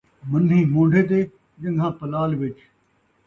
منّھیں مون٘ڈھے تے ڄن٘گھاں پلال وِچ